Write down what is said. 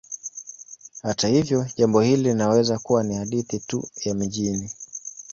Hata hivyo, jambo hili linaweza kuwa ni hadithi tu ya mijini.